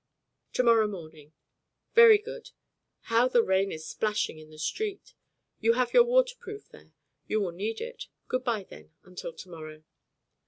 "To morrow morning." "Very good. How the rain is splashing in the street! You have your waterproof there. You will need it. Good bye, then, until to morrow."